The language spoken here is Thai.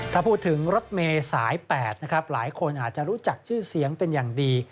ถ้าพูดถึงรถเมย์สาย๘นะครับหลายคนอาจจะรู้จักชื่อเสียงเป็นอย่างดี